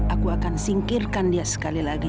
aku akan singkirkan dia sekali lagi